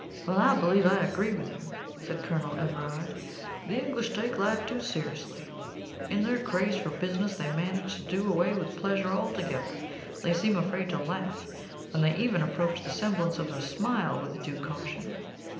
"Well, I believe I agree with you," said Colonel Everard. "The English take life too seriously. In their craze for business they manage to do away with pleasure altogether. They seem afraid to laugh, and they even approach the semblance of a smile with due caution."